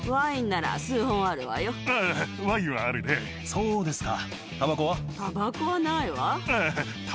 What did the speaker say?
そうですか。